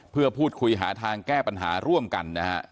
เพื่อพูดคุยหาทางแก้ปัญหาร่วมกันนะฮะ